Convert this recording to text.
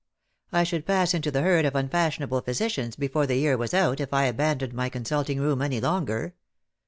I should pass into the herd of unfashionable physicians before the year was out if I abandoned my consulting room any longer.